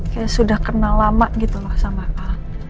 kayak sudah kenal lama gitu loh sama a